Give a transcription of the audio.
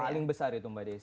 paling besar itu mbak desi